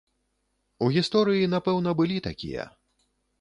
У гісторыі, напэўна, былі такія.